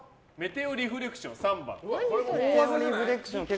メテオリフレクションは？